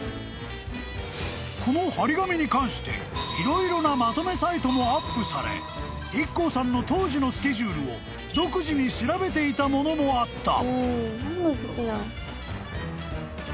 ［このはり紙に関して色々なまとめサイトもアップされＩＫＫＯさんの当時のスケジュールを独自に調べていたものもあった］